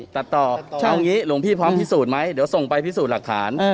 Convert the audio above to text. ตัดต่อเอางี้หลวงพี่พร้อมพิสูจน์ไหมเดี๋ยวส่งไปพิสูจน์หลักฐาน